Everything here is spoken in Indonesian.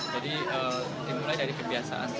jadi ini mulai dari kebiasaan